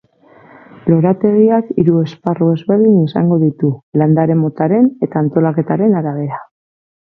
Lorategiak hiru esparru ezberdin izango ditu, landare motaren eta antolaketaren arabera.